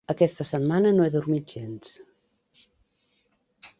Aquesta setmana no he dormit gens.